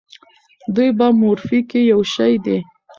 دوی په مورفي کې یو شی دي.